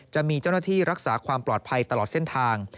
จะมีเจ้าหน้าที่รักษาความปลอดภัยตลอดเส้นทาง